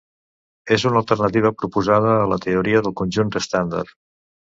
És una alternativa proposada a la teoria de conjunt estàndard.